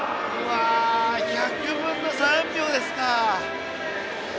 １００分の３秒ですか。